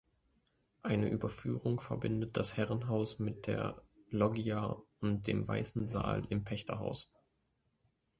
Eine Überführung verbindet das Herrenhaus mit der Loggia und dem weissen Saal im Pächterhaus.